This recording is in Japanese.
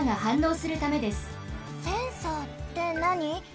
センサーってなに？